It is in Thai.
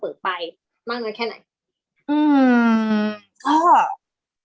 เปิดไปมากแล้วแค่ไหน